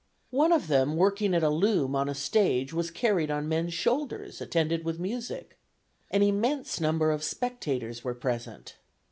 One of them working at a loom on a stage was carried on men's shoulders, attended with music. An immense number of spectators were present."